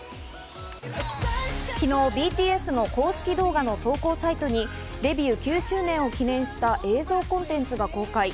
昨日、ＢＴＳの公式動画の投稿サイトにデビュー９周年を記念した映像コンテンツが公開。